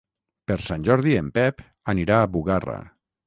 Per Sant Jordi en Pep anirà a Bugarra.